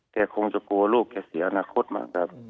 คงจะกลัวลูกแกเสียอนาคตมาครับ